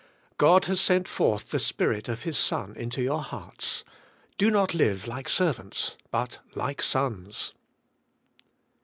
God has sent forth the Spirit of His son into your hearts. Do not live like servants, but like sons.